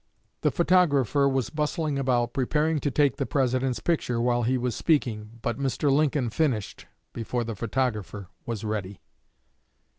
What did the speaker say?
The photographer was bustling about, preparing to take the President's picture while he was speaking, but Mr. Lincoln finished before the photographer was ready."